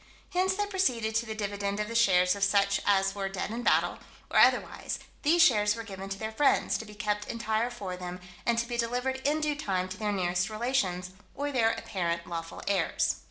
Hence they proceeded to the dividend of the shares of such as were dead in battle, or otherwise: these shares were given to their friends, to be kept entire for them, and to be delivered in due time to their nearest relations, or their apparent lawful heirs.